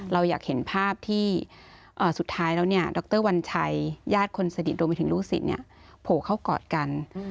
เราอยากเห็นภาพที่สุดท้ายแล้วเนี่ยดรวัญชัยญาติคนสดิตโดยถึงรู้สิทธิ์เนี่ยโผล่เข้ากอดกัน